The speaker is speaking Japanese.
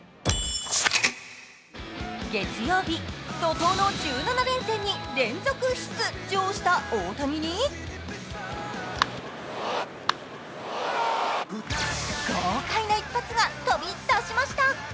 月曜日、怒とうの１７連戦に連続出場した大谷に豪快な一発が飛び出しました。